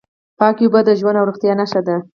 پاکې اوبه د ژوند او روغتیا نښه ده.